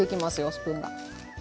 スプーンが。